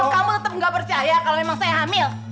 kamu tetep gak percaya kalau memang saya hamil